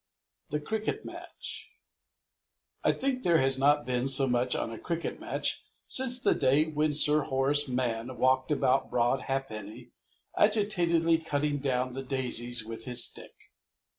The Cricket Match I think there has not been so much on a cricket match since the day when Sir Horace Mann walked about Broad Ha'penny agitatedly cutting down the daisies with his stick.